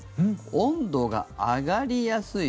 温度が上がりやすい。